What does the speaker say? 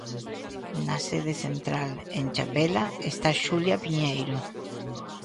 Na sede central, en Chapela, está Xulia Piñeiro.